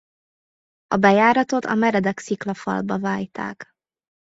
A bejáratot a meredek sziklafalba vájták.